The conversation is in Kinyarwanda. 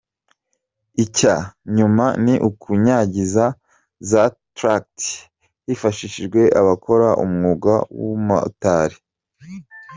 Icya nyuma ni ukunyanyagiza za Tract hifashijwe abakora umwuga w’ubu motari.